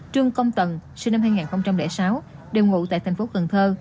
trương công tần sinh năm hai nghìn sáu đều ngụ tại tp cn